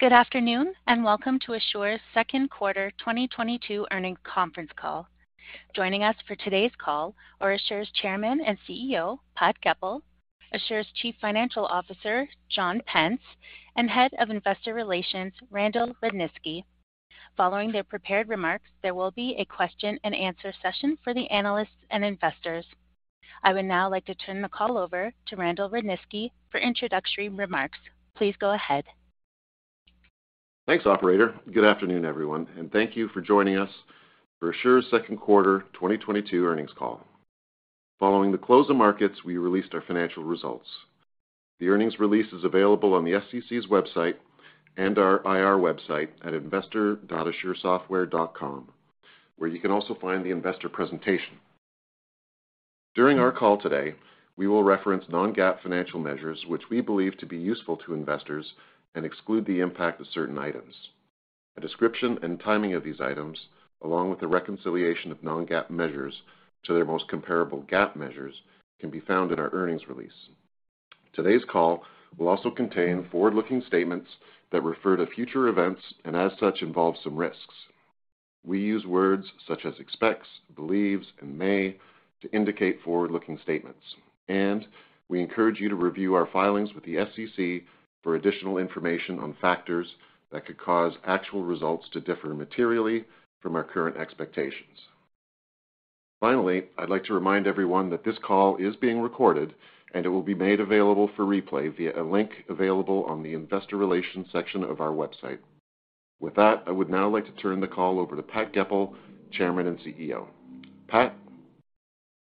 Good afternoon, and welcome to Asure's Second Quarter 2022 Earnings Conference Call. Joining us for today's call are Asure's Chairman and CEO, Pat Goepel, Asure's Chief Financial Officer, John Pence, and Head of Investor Relations, Randal Rudniski. Following their prepared remarks, there will be a question and answer session for the analysts and investors. I would now like to turn the call over to Randal Rudniski for introductory remarks. Please go ahead. Thanks, operator. Good afternoon, everyone, and thank you for joining us for Asure's second quarter 2022 earnings call. Following the close of markets, we released our financial results. The earnings release is available on the SEC's website and our IR website at investor.asuresoftware.com, where you can also find the investor presentation. During our call today, we will reference non-GAAP financial measures which we believe to be useful to investors and exclude the impact of certain items. A description and timing of these items, along with the reconciliation of non-GAAP measures to their most comparable GAAP measures, can be found in our earnings release. Today's call will also contain forward-looking statements that refer to future events and, as such, involve some risks. We use words such as expects, believes, and may to indicate forward-looking statements, and we encourage you to review our filings with the SEC for additional information on factors that could cause actual results to differ materially from our current expectations. Finally, I'd like to remind everyone that this call is being recorded, and it will be made available for replay via a link available on the Investor Relations section of our website. With that, I would now like to turn the call over to Pat Goepel, Chairman and CEO. Pat.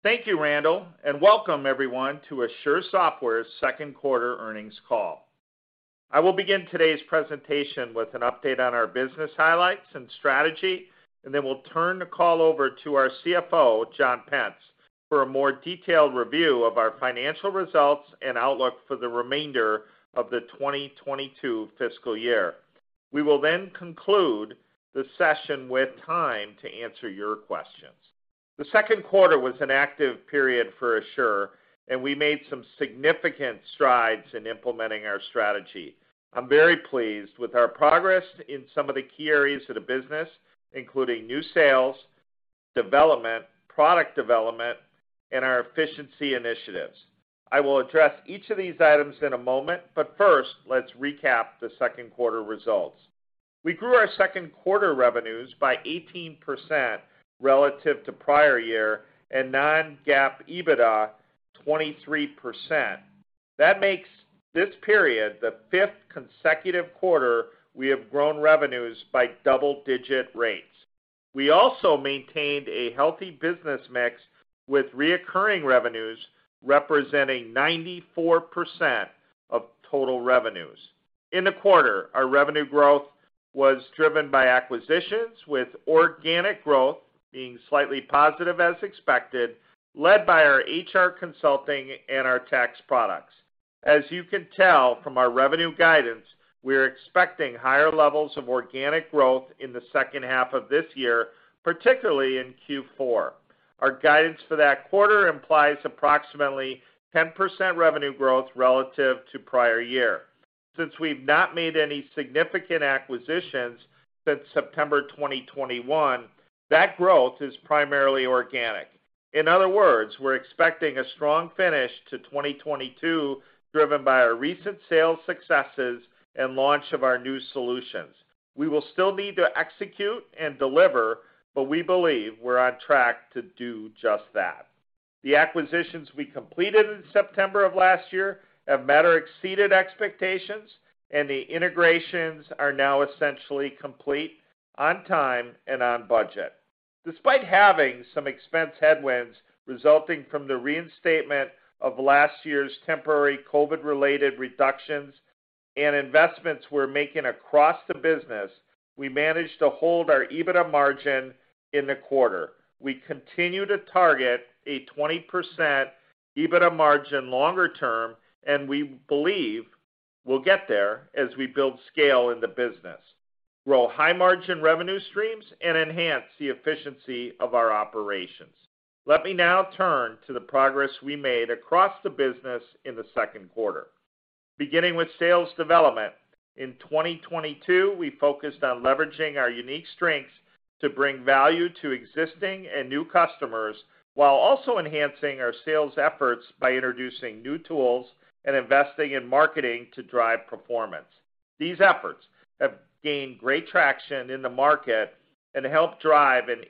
Thank you, Randal, and welcome everyone to Asure Software's second quarter earnings call. I will begin today's presentation with an update on our business highlights and strategy, and then we'll turn the call over to our CFO, John Pence, for a more detailed review of our financial results and outlook for the remainder of the 2022 fiscal year. We will then conclude the session with time to answer your questions. The second quarter was an active period for Asure, and we made some significant strides in implementing our strategy. I'm very pleased with our progress in some of the key areas of the business, including new sales, development, product development, and our efficiency initiatives. I will address each of these items in a moment, but first, let's recap the second quarter results. We grew our second quarter revenues by 18% relative to prior year and non-GAAP EBITDA 23%. That makes this period the 5th consecutive quarter we have grown revenues by double-digit rates. We also maintained a healthy business mix with recurring revenues representing 94% of total revenues. In the quarter, our revenue growth was driven by acquisitions, with organic growth being slightly positive as expected, led by our HR consulting and our tax products. As you can tell from our revenue guidance, we're expecting higher levels of organic growth in the second half of this year, particularly in Q4. Our guidance for that quarter implies approximately 10% revenue growth relative to prior year. Since we've not made any significant acquisitions since September 2021, that growth is primarily organic. In other words, we're expecting a strong finish to 2022 driven by our recent sales successes and launch of our new solutions. We will still need to execute and deliver, but we believe we're on track to do just that. The acquisitions we completed in September of last year have met or exceeded expectations, and the integrations are now essentially complete on time and on budget. Despite having some expense headwinds resulting from the reinstatement of last year's temporary COVID-related reductions and investments we're making across the business, we managed to hold our EBITDA margin in the quarter. We continue to target a 20% EBITDA margin longer term, and we believe we'll get there as we build scale in the business, grow high-margin revenue streams, and enhance the efficiency of our operations. Let me now turn to the progress we made across the business in the second quarter. Beginning with sales development. In 2022, we focused on leveraging our unique strengths to bring value to existing and new customers, while also enhancing our sales efforts by introducing new tools and investing in marketing to drive performance. These efforts have gained great traction in the market and helped drive an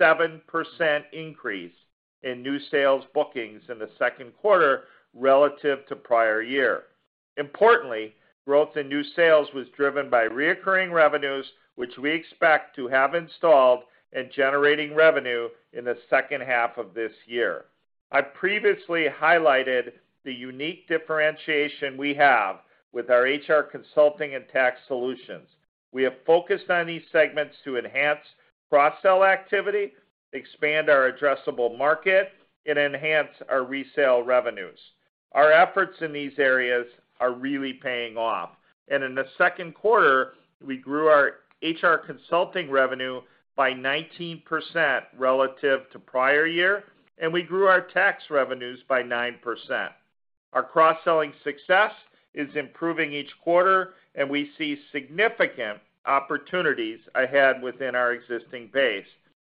87% increase in new sales bookings in the second quarter relative to prior year. Importantly, growth in new sales was driven by recurring revenues, which we expect to have installed and generating revenue in the second half of this year. I previously highlighted the unique differentiation we have with our HR consulting and tax solutions. We have focused on these segments to enhance cross-sell activity, expand our addressable market, and enhance our resale revenues. Our efforts in these areas are really paying off, and in the second quarter. We grew our HR Consulting revenue by 19% relative to prior year, and we grew our tax revenues by 9%. Our cross-selling success is improving each quarter, and we see significant opportunities ahead within our existing base.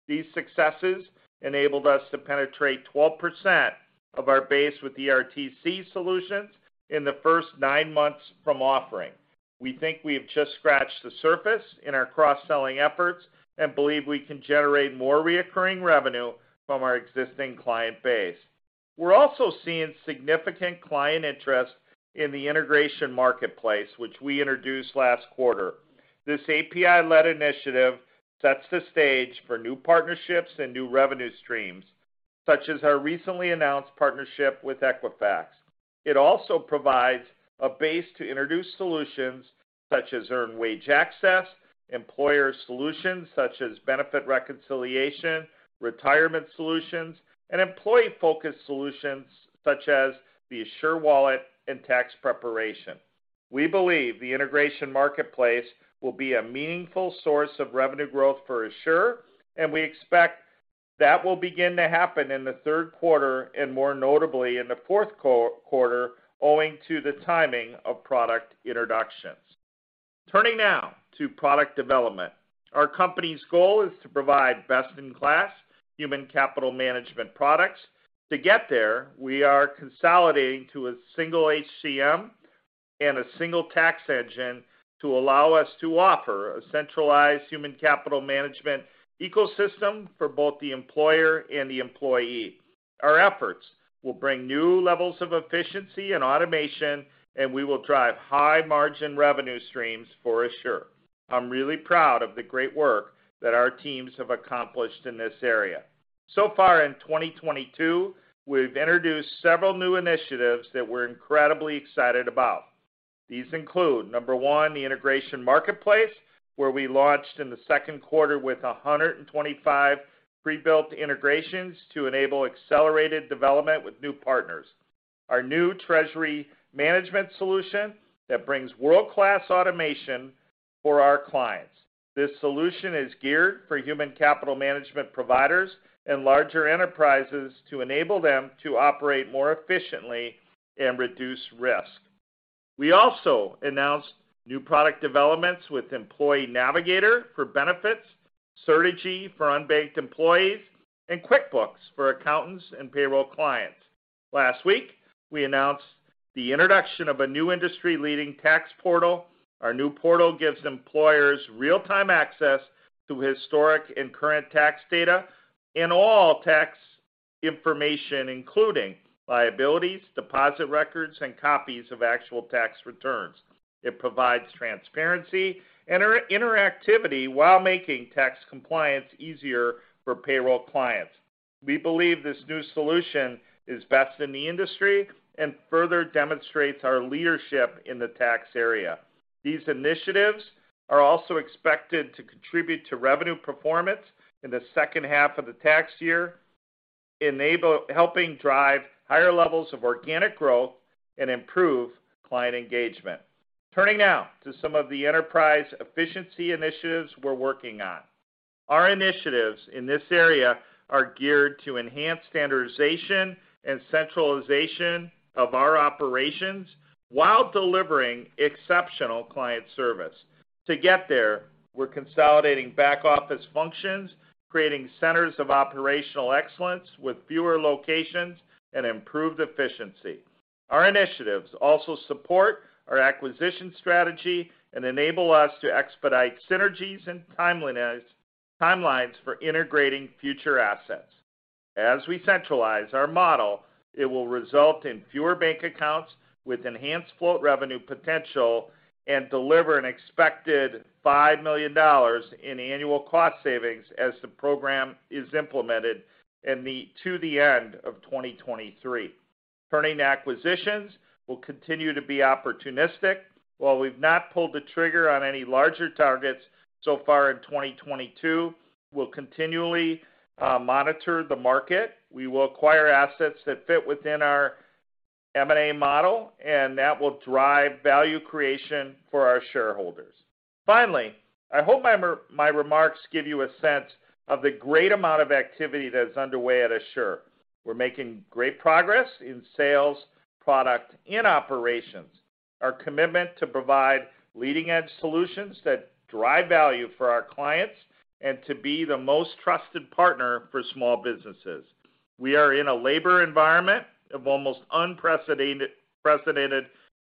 These successes enabled us to penetrate 12% of our base with the ERTC solutions in the first nine months from offering. We think we have just scratched the surface in our cross-selling efforts and believe we can generate more recurring revenue from our existing client base. We're also seeing significant client interest in the Integration Marketplace, which we introduced last quarter. This API-led initiative sets the stage for new partnerships and new revenue streams, such as our recently announced partnership with Equifax. It also provides a base to introduce solutions such as Earned Wage Access, employer solutions such as benefit reconciliation, retirement solutions, and employee-focused solutions such as the Asure Wallet and tax preparation. We believe the Integration Marketplace will be a meaningful source of revenue growth for Asure, and we expect that will begin to happen in the third quarter and more notably in the fourth quarter, owing to the timing of product introductions. Turning now to product development. Our company's goal is to provide best-in-class human capital management products. To get there, we are consolidating to a single HCM and a single tax engine to allow us to offer a centralized human capital management ecosystem for both the employer and the employee. Our efforts will bring new levels of efficiency and automation, and we will drive high-margin revenue streams for Asure. I'm really proud of the great work that our teams have accomplished in this area. So far in 2022, we've introduced several new initiatives that we're incredibly excited about. These include, one, the Integration Marketplace, where we launched in the second quarter with 125 pre-built integrations to enable accelerated development with new partners. Our new Treasury Management solution that brings world-class automation for our clients. This solution is geared for human capital management providers and larger enterprises to enable them to operate more efficiently and reduce risk. We also announced new product developments with Employee Navigator for benefits, Certegy for unbanked employees, and QuickBooks for accountants and payroll clients. Last week, we announced the introduction of a new industry-leading tax portal. Our new portal gives employers real-time access to historic and current tax data and all tax information, including liabilities, deposit records, and copies of actual tax returns. It provides transparency and interactivity while making tax compliance easier for payroll clients. We believe this new solution is best in the industry and further demonstrates our leadership in the tax area. These initiatives are also expected to contribute to revenue performance in the second half of the tax year, helping drive higher levels of organic growth and improve client engagement. Turning now to some of the enterprise efficiency initiatives we're working on. Our initiatives in this area are geared to enhance standardization and centralization of our operations while delivering exceptional client service. To get there, we're consolidating back-office functions, creating centers of operational excellence with fewer locations and improved efficiency. Our initiatives also support our acquisition strategy and enable us to expedite synergies and timelines for integrating future assets. As we centralize our model, it will result in fewer bank accounts with enhanced float revenue potential and deliver an expected $5 million in annual cost savings as the program is implemented to the end of 2023. Turning to acquisitions, we'll continue to be opportunistic. While we've not pulled the trigger on any larger targets so far in 2022, we'll continually monitor the market. We will acquire assets that fit within our M&A model, and that will drive value creation for our shareholders. Finally, I hope my remarks give you a sense of the great amount of activity that is underway at Asure. We're making great progress in sales, product, and operations. Our commitment to provide leading-edge solutions that drive value for our clients and to be the most trusted partner for small businesses. We are in a labor environment of almost unprecedented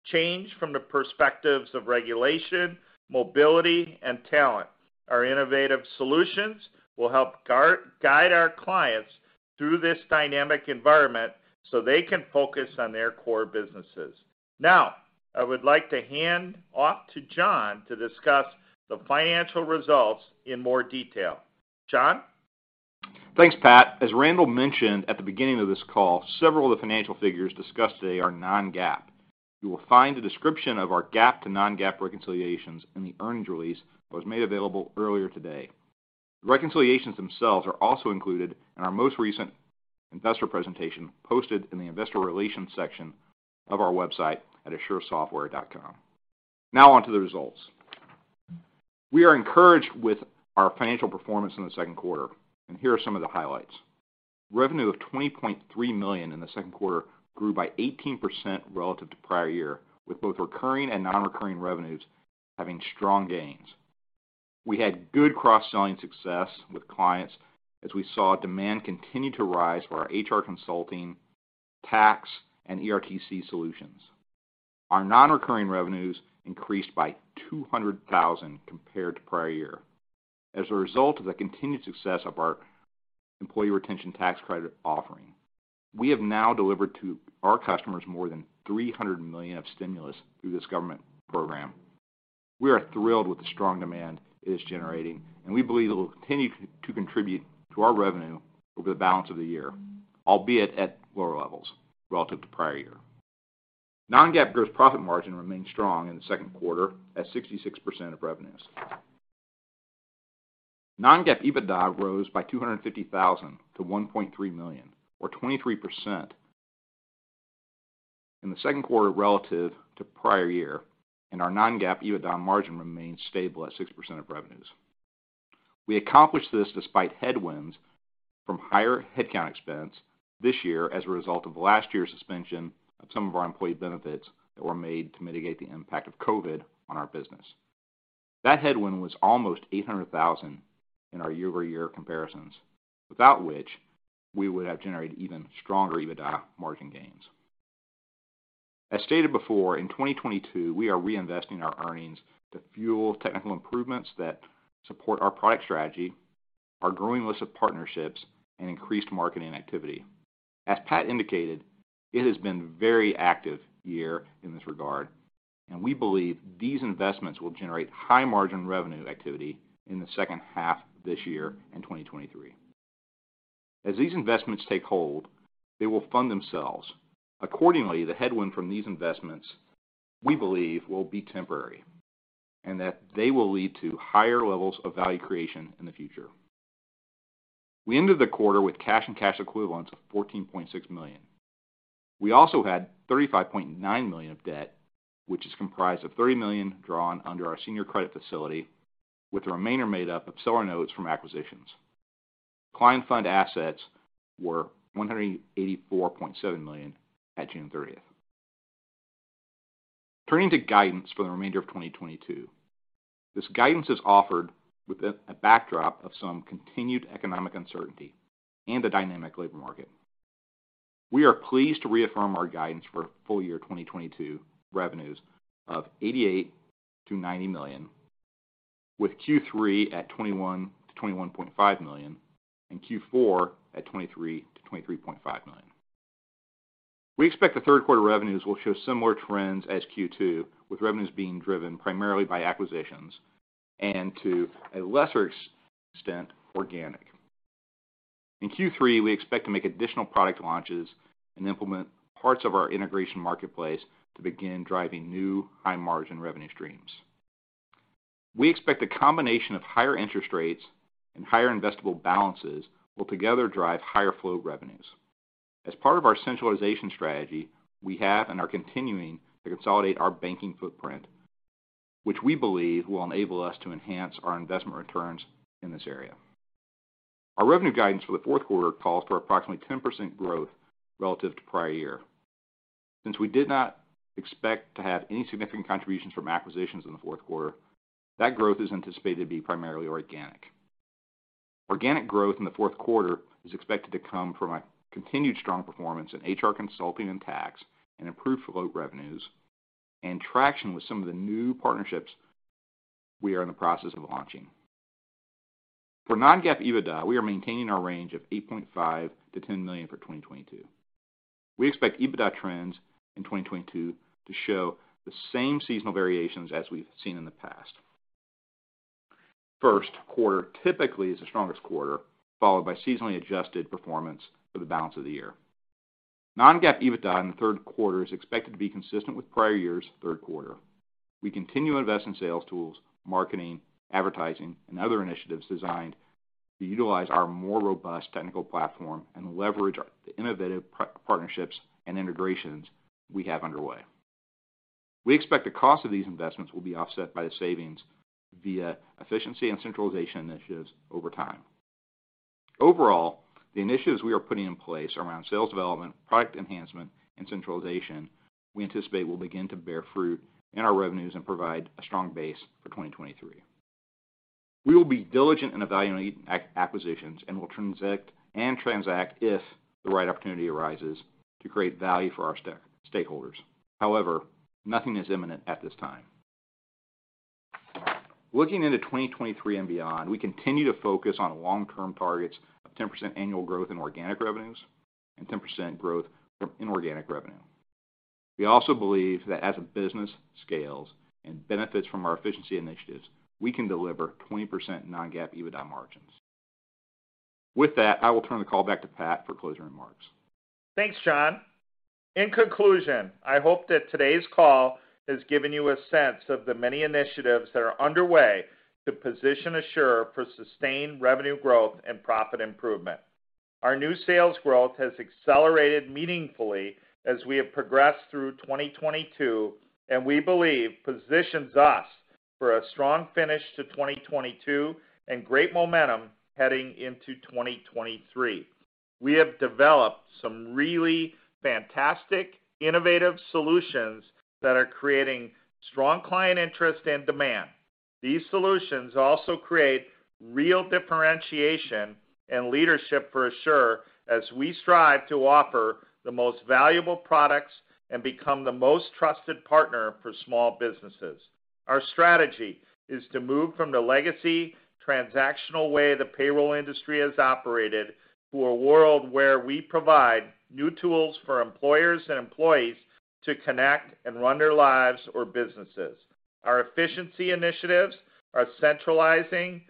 change from the perspectives of regulation, mobility, and talent. Our innovative solutions will help guide our clients through this dynamic environment so they can focus on their core businesses. Now, I would like to hand off to John to discuss the financial results in more detail. John? Thanks, Pat. As Randall mentioned at the beginning of this call, several of the financial figures discussed today are non-GAAP. You will find a description of our GAAP to non-GAAP reconciliations in the earnings release that was made available earlier today. The reconciliations themselves are also included in our most recent investor presentation, posted in the investor relations section of our website at AsureSoftware.com. Now on to the results. We are encouraged with our financial performance in the second quarter, and here are some of the highlights. Revenue of $20.3 million in the second quarter grew by 18% relative to prior year, with both recurring and non-recurring revenues having strong gains. We had good cross-selling success with clients as we saw demand continue to rise for our HR consulting, tax, and ERTC solutions. Our non-recurring revenues increased by $200,000 compared to prior year. As a result of the continued success of our Employee Retention Tax Credit offering, we have now delivered to our customers more than $300 million of stimulus through this government program. We are thrilled with the strong demand it is generating, and we believe it will continue to contribute to our revenue over the balance of the year, albeit at lower levels relative to prior year. Non-GAAP gross profit margin remained strong in the second quarter at 66% of revenues. Non-GAAP EBITDA rose by $250,000 to $1.3 million, or 23% in the second quarter relative to prior year, and our non-GAAP EBITDA margin remained stable at 6% of revenues. We accomplished this despite headwinds from higher headcount expense this year as a result of last year's suspension of some of our employee benefits that were made to mitigate the impact of COVID on our business. That headwind was almost $800,000 in our year-over-year comparisons, without which we would have generated even stronger EBITDA margin gains. As stated before, in 2022, we are reinvesting our earnings to fuel technical improvements that support our product strategy, our growing list of partnerships, and increased marketing activity. As Pat indicated, it has been very active year in this regard, and we believe these investments will generate high margin revenue activity in the second half of this year in 2023. As these investments take hold, they will fund themselves. Accordingly, the headwind from these investments, we believe, will be temporary, and that they will lead to higher levels of value creation in the future. We ended the quarter with cash and cash equivalents of $14.6 million. We also had $35.9 million of debt, which is comprised of $30 million drawn under our senior credit facility, with the remainder made up of seller notes from acquisitions. Client fund assets were $184.7 million at June 30th. Turning to guidance for the remainder of 2022. This guidance is offered with a backdrop of some continued economic uncertainty and a dynamic labor market. We are pleased to reaffirm our guidance for full-year 2022 revenues of $88 million-$90 million, with Q3 at $21 million-$21.5 million and Q4 at $23 million-$23.5 million. We expect the third quarter revenues will show similar trends as Q2, with revenues being driven primarily by acquisitions and to a lesser extent, organic. In Q3, we expect to make additional product launches and implement parts of our Integration Marketplace to begin driving new high-margin revenue streams. We expect the combination of higher interest rates and higher investable balances will together drive higher flow of revenues. As part of our centralization strategy, we have and are continuing to consolidate our banking footprint, which we believe will enable us to enhance our investment returns in this area. Our revenue guidance for the fourth quarter calls for approximately 10% growth relative to prior year. Since we did not expect to have any significant contributions from acquisitions in the fourth quarter, that growth is anticipated to be primarily organic. Organic growth in the fourth quarter is expected to come from a continued strong performance in HR consulting and tax and improved float revenues and traction with some of the new partnerships we are in the process of launching. For non-GAAP EBITDA, we are maintaining our range of $8.5 million-$10 million for 2022. We expect EBITDA trends in 2022 to show the same seasonal variations as we've seen in the past. First quarter typically is the strongest quarter, followed by seasonally adjusted performance for the balance of the year. Non-GAAP EBITDA in the third quarter is expected to be consistent with prior year's third quarter. We continue to invest in sales tools, marketing, advertising, and other initiatives designed to utilize our more robust technical platform and leverage the innovative partnerships and integrations we have underway. We expect the cost of these investments will be offset by the savings via efficiency and centralization initiatives over time. Overall, the initiatives we are putting in place around sales development, product enhancement, and centralization, we anticipate will begin to bear fruit in our revenues and provide a strong base for 2023. We will be diligent in evaluating acquisitions and will transact if the right opportunity arises to create value for our stakeholders. However, nothing is imminent at this time. Looking into 2023 and beyond, we continue to focus on long-term targets of 10% annual growth in organic revenues and 10% growth in organic revenue. We also believe that as the business scales and benefits from our efficiency initiatives, we can deliver 20% non-GAAP EBITDA margins. With that, I will turn the call back to Pat for closing remarks. Thanks, John. In conclusion, I hope that today's call has given you a sense of the many initiatives that are underway to position Asure for sustained revenue growth and profit improvement. Our new sales growth has accelerated meaningfully as we have progressed through 2022, and we believe positions us for a strong finish to 2022 and great momentum heading into 2023. We have developed some really fantastic innovative solutions that are creating strong client interest and demand. These solutions also create real differentiation and leadership for Asure as we strive to offer the most valuable products and become the most trusted partner for small businesses. Our strategy is to move from the legacy transactional way the payroll industry has operated to a world where we provide new tools for employers and employees to connect and run their lives or businesses. Our efficiency initiatives are centralizing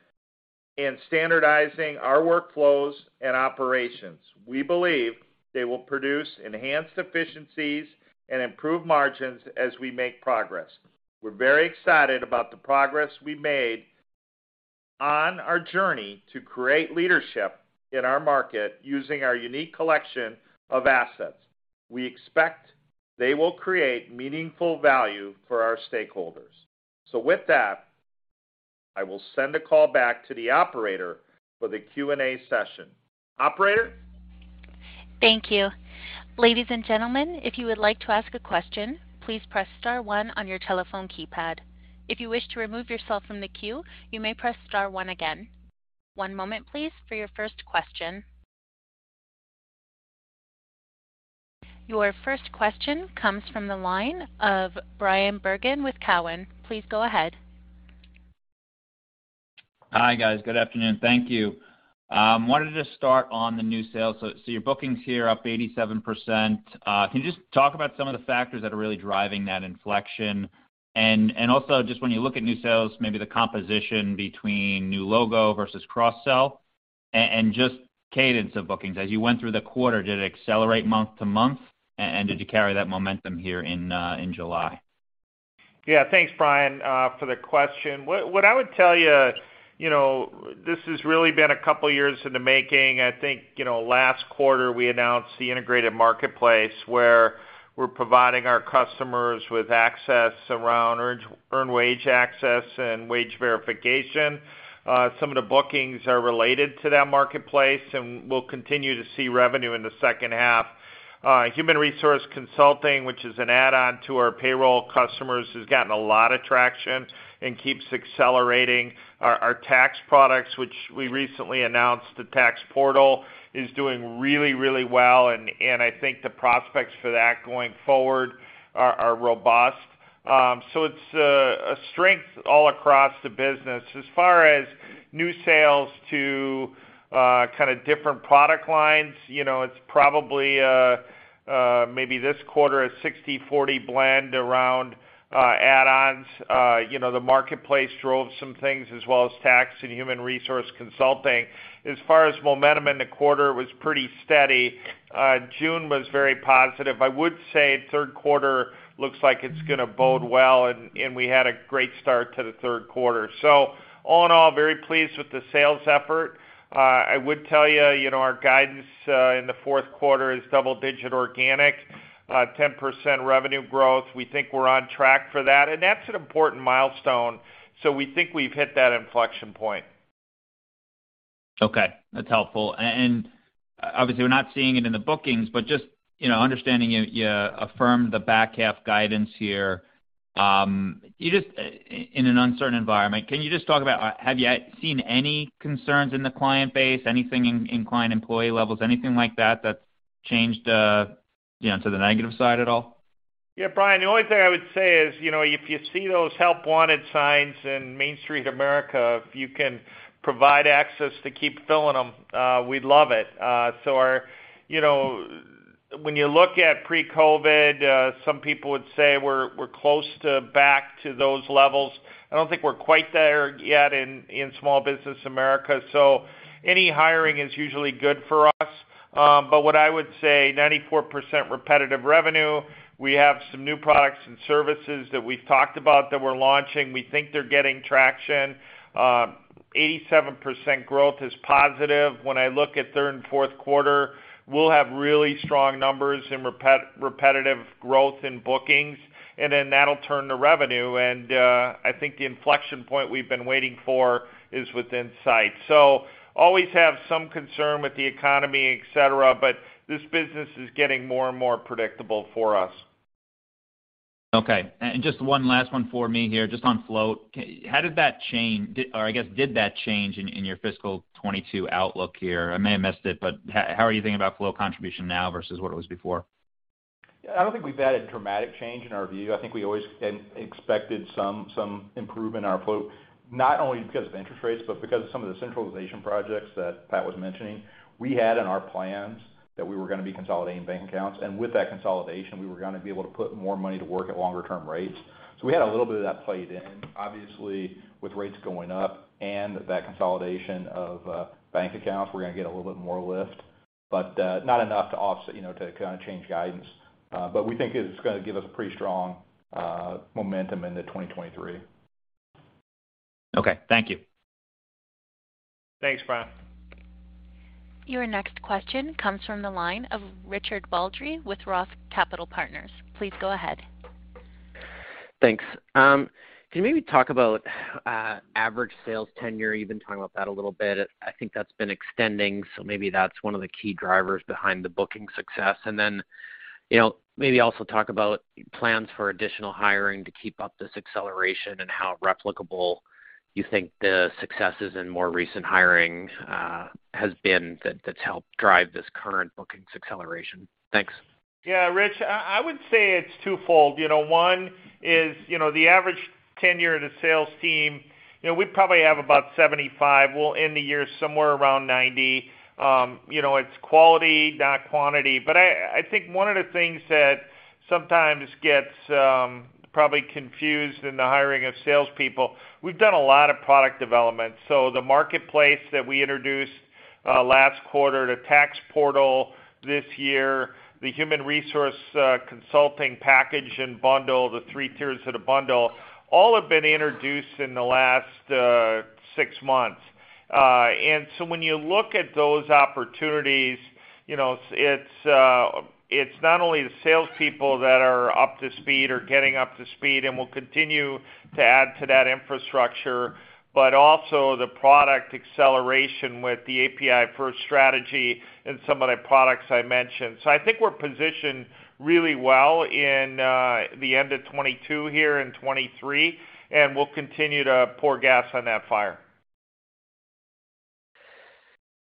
and standardizing our workflows and operations. We believe they will produce enhanced efficiencies and improve margins as we make progress. We're very excited about the progress we made on our journey to create leadership in our market using our unique collection of assets. We expect they will create meaningful value for our stakeholders. With that, I will send the call back to the operator for the Q&A session. Operator? Thank you. Ladies and gentlemen, if you would like to ask a question, please press star one on your telephone keypad. If you wish to remove yourself from the queue, you may press star one again. One moment please, for your first question. Your first question comes from the line of Brian Bergen with Cowen. Please go ahead. Hi, guys. Good afternoon. Thank you. Wanted to start on the new sales. Your bookings here up 87%. Can you just talk about some of the factors that are really driving that inflection? Also just when you look at new sales, maybe the composition between new logo versus cross-sell and just cadence of bookings. As you went through the quarter, did it accelerate month-to-month, and did you carry that momentum here in July? Yeah. Thanks, Brian, for the question. What I would tell you know, this has really been a couple years in the making. I think, you know, last quarter we announced the Integration Marketplace, where we're providing our customers with access around Earned Wage Access and wage verification. Some of the bookings are related to that marketplace, and we'll continue to see revenue in the second half. Human resource consulting, which is an add-on to our payroll customers, has gotten a lot of traction and keeps accelerating. Our tax products, which we recently announced, the Tax Portal, is doing really, really well, and I think the prospects for that going forward are robust. So it's a strength all across the business. As far as new sales to kind of different product lines, you know, it's probably maybe this quarter, a 60-40 blend around add-ons. You know, the marketplace drove some things as well as tax and human resource consulting. As far as momentum in the quarter, it was pretty steady. June was very positive. I would say third quarter looks like it's going to bode well, and we had a great start to the third quarter. All in all, very pleased with the sales effort. I would tell you know, our guidance in the fourth quarter is double-digit organic 10% revenue growth. We think we're on track for that, and that's an important milestone. We think we've hit that inflection point. Okay, that's helpful. And obviously we're not seeing it in the bookings, but just, you know, understanding you affirmed the back half guidance here. In an uncertain environment, can you just talk about, have you seen any concerns in the client base, anything in client employee levels, anything like that that's changed, you know, to the negative side at all? Yeah, Brian, the only thing I would say is, you know, if you see those help wanted signs in Main Street America, if you can provide access to keep filling them, we'd love it. You know, when you look at pre-COVID, some people would say we're close to back to those levels. I don't think we're quite there yet in small business America, so any hiring is usually good for us. What I would say, 94% repetitive revenue. We have some new products and services that we've talked about that we're launching. We think they're getting traction. 87% growth is positive. When I look at third and fourth quarter, we'll have really strong numbers in repetitive growth in bookings, and then that'll turn to revenue. I think the inflection point we've been waiting for is within sight. Always have some concern with the economy, et cetera, but this business is getting more and more predictable for us. Okay. Just one last one for me here. Just on float, how did that change? Or I guess, did that change in your fiscal 2022 outlook here? I may have missed it, but how are you thinking about float contribution now versus what it was before? I don't think we've had a dramatic change in our view. I think we always had expected some improvement in our float, not only because of interest rates, but because of some of the centralization projects that Pat was mentioning. We had in our plans that we were going to be consolidating bank accounts, and with that consolidation, we were going to be able to put more money to work at longer-term rates. We had a little bit of that played in. Obviously, with rates going up and that consolidation of bank accounts, we're going to get a little bit more lift, but not enough to offset, you know, to kind of change guidance. We think it's going to give us a pretty strong momentum into 2023. Okay. Thank you. Thanks, Brian. Your next question comes from the line of Richard Baldry with Roth Capital Partners. Please go ahead. Thanks. Can you maybe talk about average sales tenure? You've been talking about that a little bit. I think that's been extending, so maybe that's one of the key drivers behind the booking success. You know, maybe also talk about plans for additional hiring to keep up this acceleration and how replicable you think the successes in more recent hiring has been that's helped drive this current bookings acceleration. Thanks. Yeah. Rich, I would say it's twofold. You know, one is, you know, the average tenure of the sales team, you know, we probably have about 75. We'll end the year somewhere around 90. You know, it's quality, not quantity. I think one of the things that sometimes gets, probably confused in the hiring of salespeople, we've done a lot of product development. The marketplace that we introduced, last quarter, the tax portal this year, the human resource, consulting package and bundle, the three tiers of the bundle, all have been introduced in the last, 6 months. When you look at those opportunities, you know, it's not only the salespeople that are up to speed or getting up to speed, and we'll continue to add to that infrastructure, but also the product acceleration with the API first strategy and some of the products I mentioned. I think we're positioned really well in the end of 2022 here in 2023, and we'll continue to pour gas on that fire.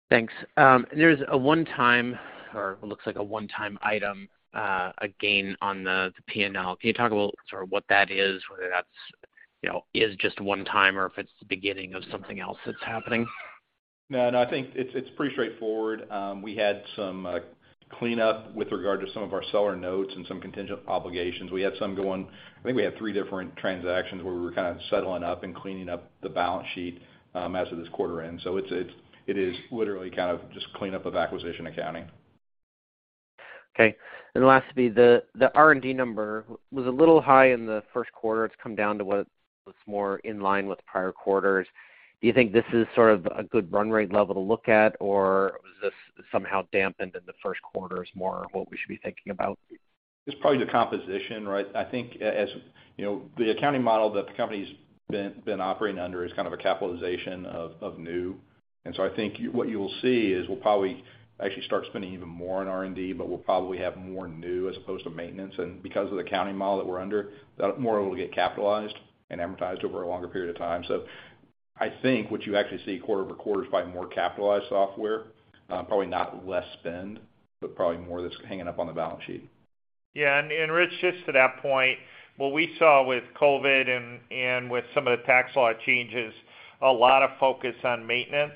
Thanks. There's a one-time or what looks like a one-time item, a gain on the P&L. Can you talk about sort of what that is, whether that's, you know, is just one-time or if it's the beginning of something else that's happening? No, no, I think it's pretty straightforward. We had some cleanup with regard to some of our seller notes and some contingent obligations. I think we had three different transactions where we were kind of settling up and cleaning up the balance sheet as of this quarter end. It is literally kind of just cleanup of acquisition accounting. Okay. Last would be the R&D number was a little high in the first quarter. It's come down to what looks more in line with prior quarters. Do you think this is sort of a good run rate level to look at, or was this somehow dampened in the first quarter? Is more what we should be thinking about? It's probably the composition, right? I think as, you know, the accounting model that the company's been operating under is kind of a capitalization of new. I think what you'll see is we'll probably actually start spending even more on R&D, but we'll probably have more new as opposed to maintenance. Because of the accounting model that we're under, that more will get capitalized and amortized over a longer period of time. I think what you actually see quarter-over-quarter is probably more capitalized software, probably not less spend, but probably more that's hanging up on the balance sheet. Yeah. Rich, just to that point, what we saw with COVID and with some of the tax law changes, a lot of focus on maintenance.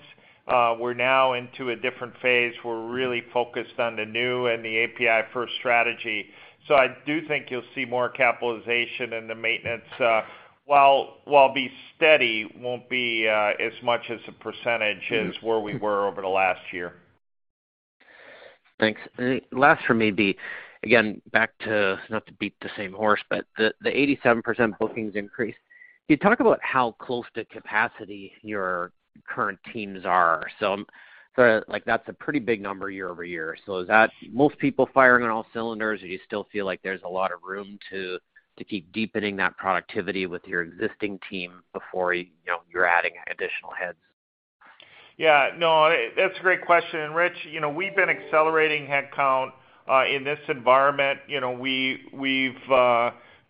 We're now into a different phase. We're really focused on the new and the API first strategy. I do think you'll see more capitalization in the maintenance, while be steady, won't be as much as a percentage as where we were over the last year. Thanks. Last for me, again, back to, not to beat the same horse, but the 87% bookings increase. Can you talk about how close to capacity your current teams are? Like, that's a pretty big number year-over-year. Is that most people firing on all cylinders, or do you still feel like there's a lot of room to keep deepening that productivity with your existing team before, you know, you're adding additional heads? Yeah. No, that's a great question. Rich, you know, we've been accelerating headcount in this environment. You know, we've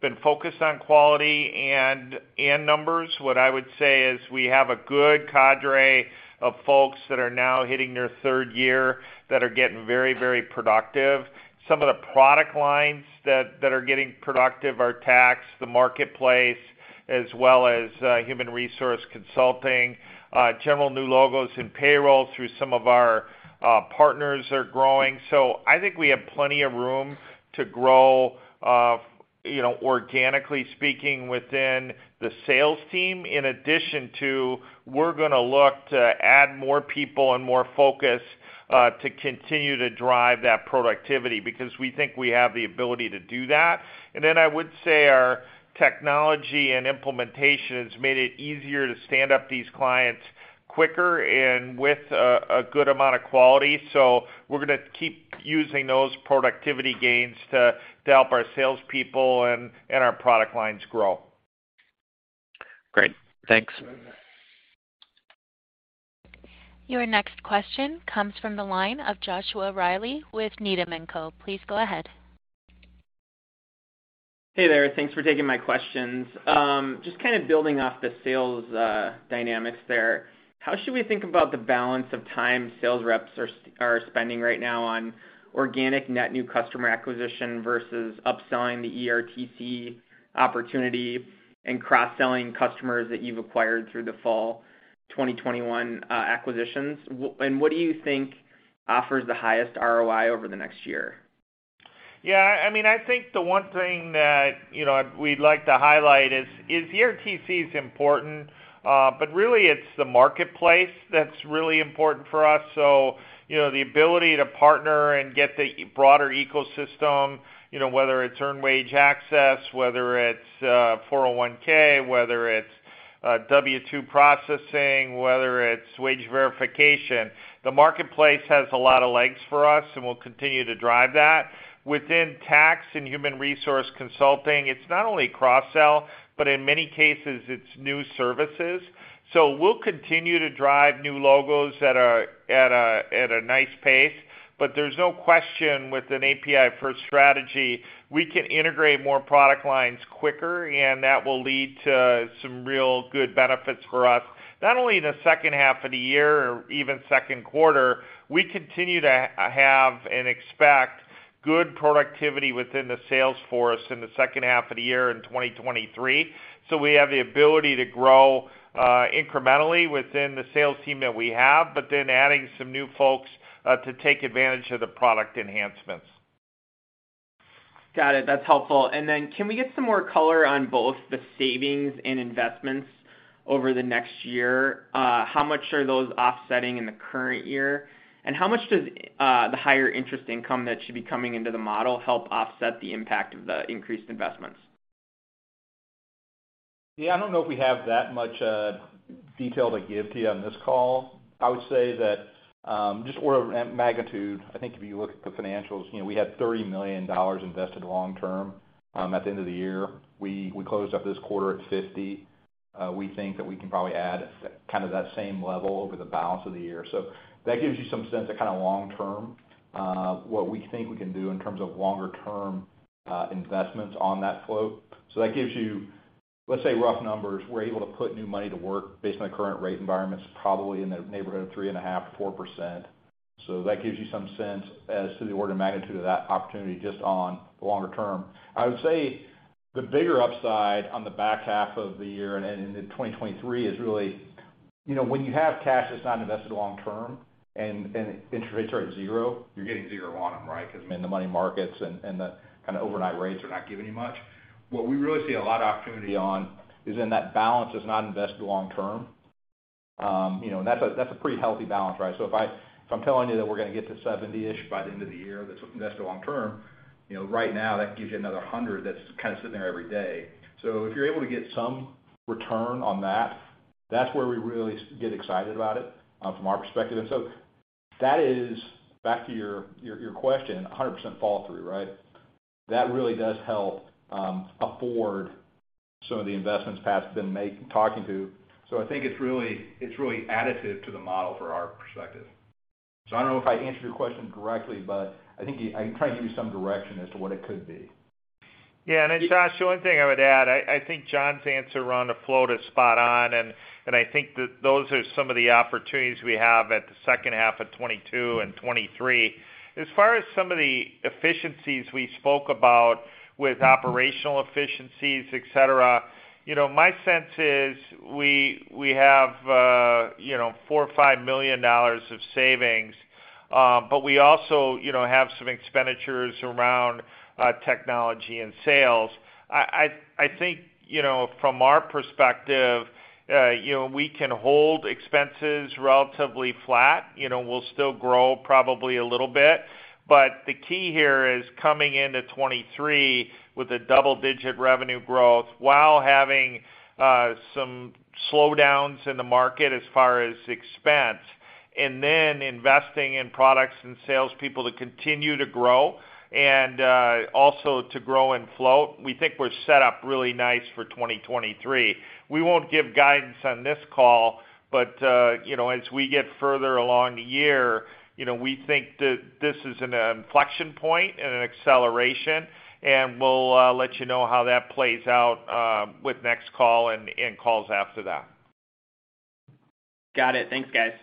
been focused on quality and numbers. What I would say is we have a good cadre of folks that are now hitting their third year that are getting very, very productive. Some of the product lines that are getting productive are tax, the marketplace, as well as human resource consulting. General new logos and payroll through some of our partners are growing. I think we have plenty of room to grow, you know, organically speaking, within the sales team. In addition to, we're going to look to add more people and more focus to continue to drive that productivity because we think we have the ability to do that. I would say our technology and implementation has made it easier to stand up these clients quicker and with a good amount of quality. We're going to keep using those productivity gains to help our salespeople and our product lines grow. Great. Thanks. Your next question comes from the line of Joshua Reilly with Needham & Co. Please go ahead. Hey there. Thanks for taking my questions. Just kind of building off the sales dynamics there, how should we think about the balance of time sales reps are spending right now on organic net new customer acquisition versus upselling the ERTC opportunity and cross-selling customers that you've acquired through the fall 2021 acquisitions? What do you think offers the highest ROI over the next year? Yeah, I mean, I think the one thing that, you know, we'd like to highlight is ERTC is important, but really it's the marketplace that's really important for us. You know, the ability to partner and get the broader ecosystem, you know, whether it's Earned Wage Access, whether it's 401(k), whether it's W-2 processing, whether it's wage verification, the marketplace has a lot of legs for us, and we'll continue to drive that. Within tax and human resource consulting, it's not only cross-sell, but in many cases it's new services. We'll continue to drive new logos at a nice pace. There's no question with an API-first strategy, we can integrate more product lines quicker, and that will lead to some real good benefits for us, not only in the second half of the year or even second quarter. We continue to have and expect good productivity within the sales force in the second half of the year in 2023. We have the ability to grow incrementally within the sales team that we have, but then adding some new folks to take advantage of the product enhancements. Got it. That's helpful. Can we get some more color on both the savings and investments over the next year? How much are those offsetting in the current year? How much does the higher interest income that should be coming into the model help offset the impact of the increased investments? Yeah, I don't know if we have that much detail to give to you on this call. I would say that, just order of magnitude, I think if you look at the financials, you know, we had $30 million invested long-term at the end of the year. We closed up this quarter at $50 million. We think that we can probably add kind of that same level over the balance of the year. That gives you some sense of kind of long term what we think we can do in terms of longer term investments on that float. That gives you, let's say rough numbers, we're able to put new money to work based on the current rate environments, probably in the neighborhood of 3.5%-4%. That gives you some sense as to the order of magnitude of that opportunity just on the longer term. I would say the bigger upside on the back half of the year and in 2023 is really, you know, when you have cash that's not invested long-term and interest rates are at zero, you're getting zero on them, right? Because, I mean, the money markets and the kind of overnight rates are not giving you much. What we really see a lot of opportunity on is in that balance that's not invested long-term. You know, and that's a pretty healthy balance, right? If I'm telling you that we're going to get to $70-ish by the end of the year, that's invested long-term, you know, right now, that gives you another $100 that's kind of sitting there every day. If you're able to get some return on that's where we really get excited about it, from our perspective. That is, back to your question, 100% follow through, right? That really does help afford some of the investments Pat's been talking to. I think it's really additive to the model from our perspective. I don't know if I answered your question directly, but I think I can try to give you some direction as to what it could be. Yeah. Josh, the only thing I would add, I think John's answer around the float is spot on, and I think that those are some of the opportunities we have at the second half of 2022 and 2023. As far as some of the efficiencies we spoke about with operational efficiencies, et cetera, you know, my sense is we have $4 million-$5 million of savings, but we also have some expenditures around technology and sales. I think, you know, from our perspective, you know, we can hold expenses relatively flat. You know, we'll still grow probably a little bit. The key here is coming into 2023 with a double-digit revenue growth while having some slowdowns in the market as far as expense, and then investing in products and sales people to continue to grow and also to grow in float. We think we're set up really nice for 2023. We won't give guidance on this call, but you know, as we get further along the year, you know, we think that this is an inflection point and an acceleration, and we'll let you know how that plays out with next call and calls after that. Got it. Thanks, guys.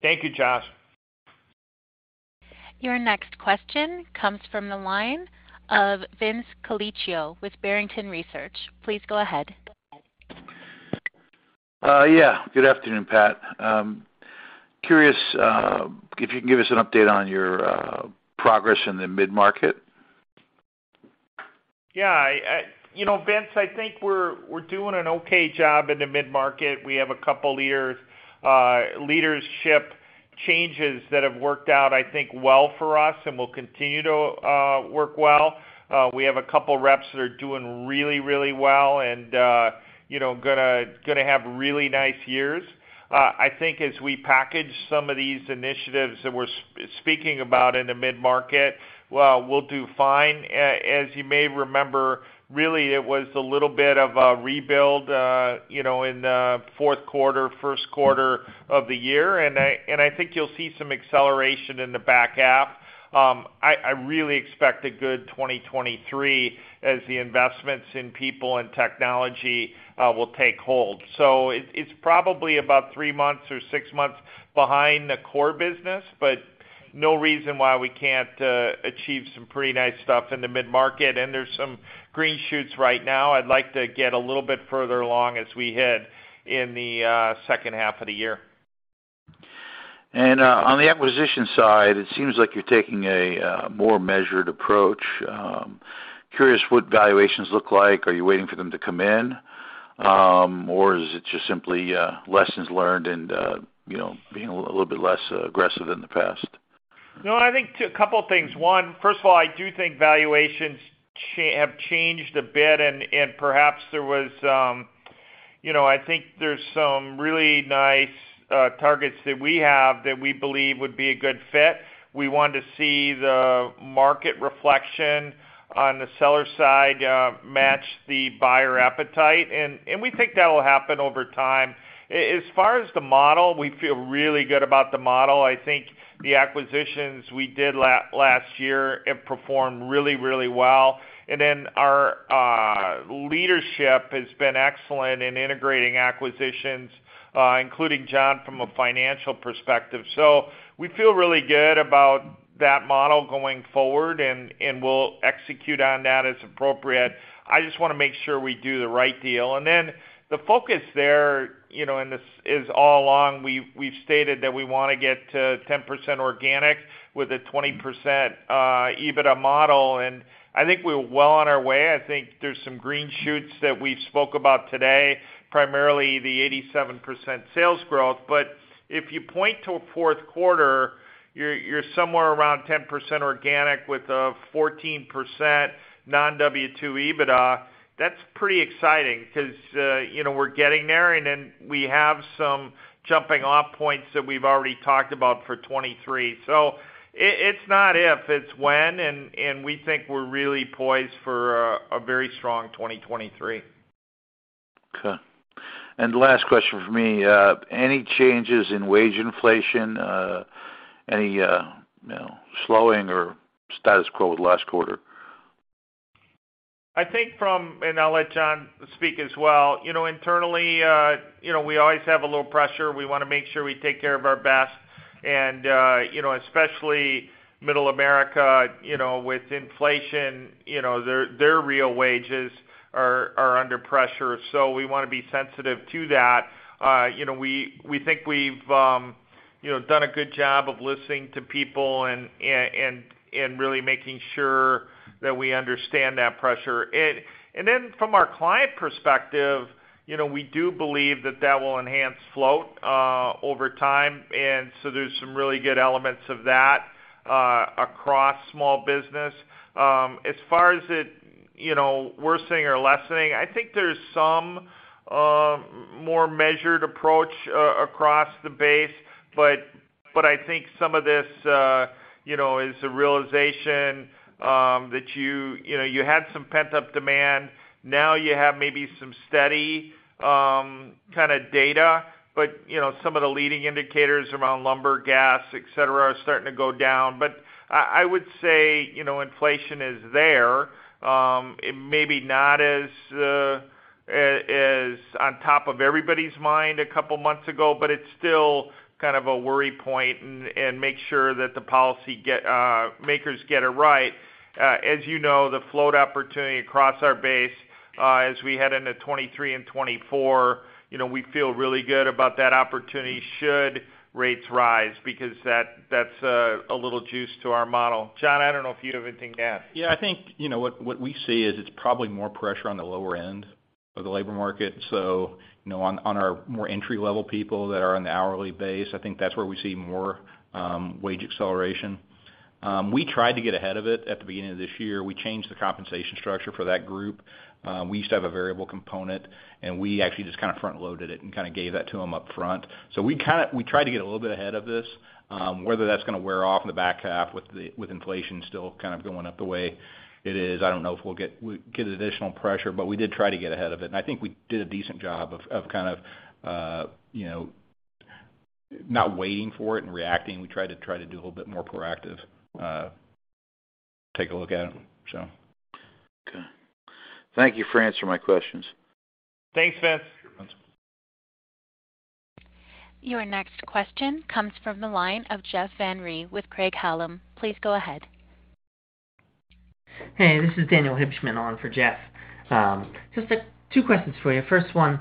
Thank you, Josh. Your next question comes from the line of Vincent Colicchio with Barrington Research. Please go ahead. Yeah, good afternoon, Pat. Curious if you can give us an update on your progress in the mid-market? Yeah, you know, Vince, I think we're doing an okay job in the mid-market. We have a couple leadership changes that have worked out, I think, well for us and will continue to work well. We have a couple reps that are doing really well and, you know, going to have really nice years. I think as we package some of these initiatives that we're speaking about in the mid-market, well, we'll do fine. As you may remember, really, it was a little bit of a rebuild, you know, in the fourth quarter, first quarter of the year, and I think you'll see some acceleration in the back half. I really expect a good 2023 as the investments in people and technology will take hold. It's probably about three months or six months behind the core business, but no reason why we can't achieve some pretty nice stuff in the mid-market. There's some green shoots right now. I'd like to get a little bit further along as we head into the second half of the year. On the acquisition side, it seems like you're taking a more measured approach. Curious what valuations look like. Are you waiting for them to come in? Or is it just simply lessons learned and you know, being a little bit less aggressive than the past? No, I think a couple things. One, first of all, I do think valuations have changed a bit, and perhaps there was, you know, I think there's some really nice targets that we have that we believe would be a good fit. We want to see the market reflection on the seller side match the buyer appetite, and we think that'll happen over time. As far as the model, we feel really good about the model. I think the acquisitions we did last year have performed really well. Our leadership has been excellent in integrating acquisitions, including John Pence from a financial perspective. We feel really good about that model going forward, and we'll execute on that as appropriate. I just want to make sure we do the right deal. The focus there, you know, and this is all along, we've stated that we want to get to 10% organic with a 20% EBITDA model, and I think we're well on our way. I think there's some green shoots that we spoke about today, primarily the 87% sales growth. If you point to a fourth quarter, you're somewhere around 10% organic with a 14% non-GAAP EBITDA. That's pretty exciting because, you know, we're getting there, and then we have some jumping off points that we've already talked about for 2023. It's not if, it's when, and we think we're really poised for a very strong 2023. Okay. Last question for me. Any changes in wage inflation? Any, you know, slowing or status quo with last quarter? I think, and I'll let John speak as well, you know, internally, you know, we always have a little pressure. We want to make sure we take care of our best. Especially middle America, you know, with inflation, you know, their real wages are under pressure. We want to be sensitive to that. You know, we think we've done a good job of listening to people and really making sure that we understand that pressure. Then from our client perspective, you know, we do believe that that will enhance float over time. There's some really good elements of that across small business. As far as it, you know, worsening or lessening, I think there's some more measured approach across the base. I think some of this, you know, is a realization that you know you had some pent-up demand. Now you have maybe some steady kind of data. You know, some of the leading indicators around lumber, gas, et cetera, are starting to go down. I would say, you know, inflation is there. It may be not as on top of everybody's mind a couple months ago, but it's still kind of a worry point and make sure that the policy makers get it right. As you know, the float opportunity across our base, as we head into 2023 and 2024, you know, we feel really good about that opportunity should rates rise because that's a little juice to our model. John, I don't know if you have anything to add. Yeah. I think, you know, what we see is it's probably more pressure on the lower end of the labor market. You know, on our more entry-level people that are on the hourly base, I think that's where we see more wage acceleration. We tried to get ahead of it at the beginning of this year. We changed the compensation structure for that group. We used to have a variable component, and we actually just kind of front loaded it and kind of gave that to them up front. We tried to get a little bit ahead of this. Whether that's going to wear off in the back half with inflation still kind of going up the way it is, I don't know if we'll get additional pressure. We did try to get ahead of it. I think we did a decent job of kind of, you know, not waiting for it and reacting. We tried to do a little bit more proactive, take a look at it. Okay. Thank you for answering my questions. Thanks, Vince. Sure, Vince. Your next question comes from the line of Jeff Van Rhee with Craig-Hallum. Please go ahead. Hey, this is Daniel Hibshman on for Jeff. Just two questions for you. First one,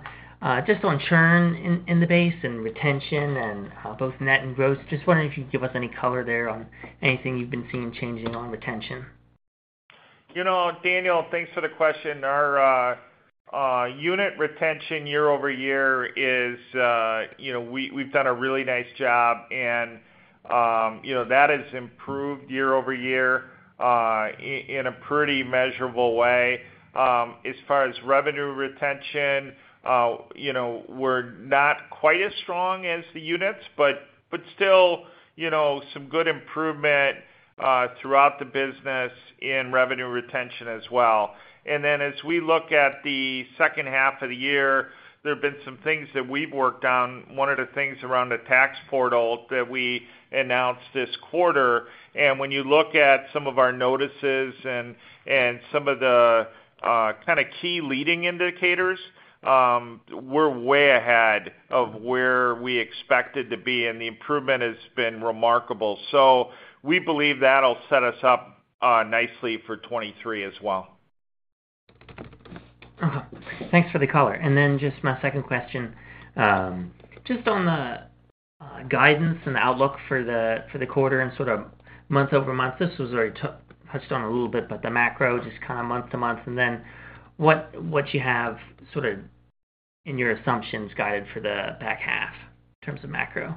just on churn in the base and retention and both net and gross. Just wondering if you could give us any color there on anything you've been seeing changing on retention. You know, Daniel, thanks for the question. Our unit retention year-over-year is, you know, we've done a really nice job and, you know, that has improved year-over-year, in a pretty measurable way. As far as revenue retention, you know, we're not quite as strong as the units, but still, you know, some good improvement, throughout the business in revenue retention as well. Then as we look at the second half of the year, there have been some things that we've worked on, one of the things around the tax portal that we announced this quarter. When you look at some of our notices and some of the kind of key leading indicators, we're way ahead of where we expected to be, and the improvement has been remarkable. We believe that'll set us up nicely for 2023 as well. Thanks for the color. Just my second question, just on the guidance and outlook for the quarter and sort of month-over-month. This was already touched on a little bit, but the macro just kind of month-to-month and then what you have sort of in your assumptions guided for the back half in terms of macro.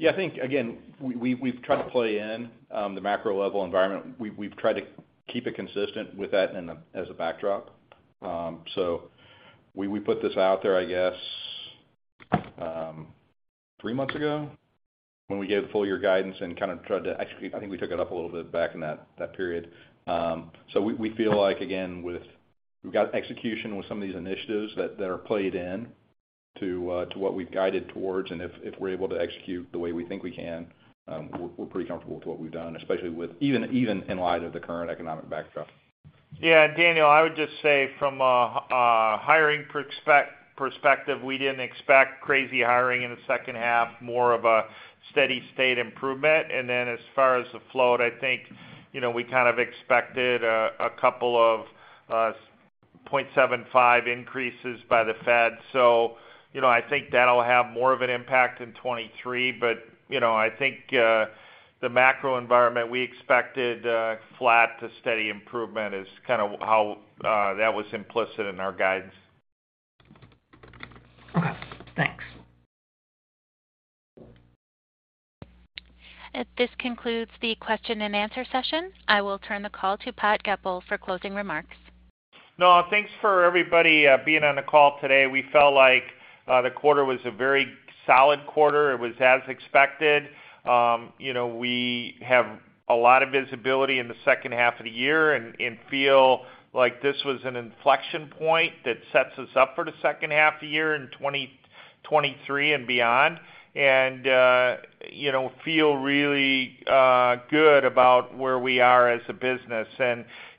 Yeah. I think again, we've tried to play in the macro level environment. We've tried to keep it consistent with that as a backdrop. We put this out there, I guess, three months ago when we gave the full year guidance and kind of tried to execute. I think we took it up a little bit back in that period. We feel like again we've got execution with some of these initiatives that are played into what we've guided towards. If we're able to execute the way we think we can, we're pretty comfortable with what we've done, especially even in light of the current economic backdrop. Yeah. Daniel, I would just say from a hiring perspective, we didn't expect crazy hiring in the second half. More of a steady state improvement. Then as far as the float, I think, you know, we kind of expected a couple of 0.75 increases by the Fed. You know, I think that'll have more of an impact in 2023. You know, I think the macro environment we expected flat to steady improvement is kind of how that was implicit in our guidance. Okay, thanks. This concludes the question and answer session. I will turn the call to Pat Goepel for closing remarks. No, thanks for everybody being on the call today. We felt like the quarter was a very solid quarter. It was as expected. You know, we have a lot of visibility in the second half of the year and feel like this was an inflection point that sets us up for the second half of the year in 2023 and beyond. You know, feel really good about where we are as a business.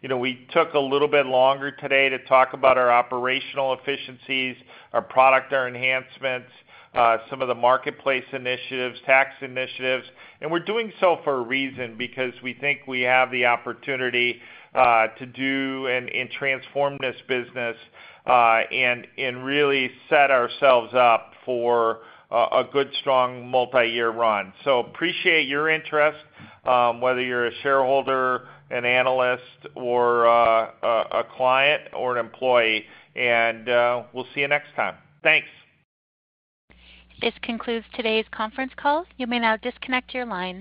You know, we took a little bit longer today to talk about our operational efficiencies, our product, our enhancements, some of the marketplace initiatives, tax initiatives. We're doing so for a reason, because we think we have the opportunity to do and transform this business, and really set ourselves up for a good, strong multi-year run. Appreciate your interest, whether you're a shareholder, an analyst, or a client or an employee. We'll see you next time. Thanks. This concludes today's conference call. You may now disconnect your lines.